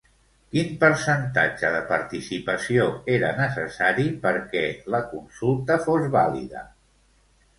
Quin percentatge de participació era necessari perquè la consulta fos vàlida?